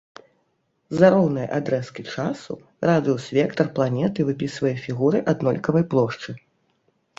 За роўныя адрэзкі часу радыус-вектар планеты выпісвае фігуры аднолькавай плошчы.